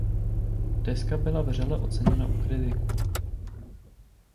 Deska byla vřele oceněna u kritiků.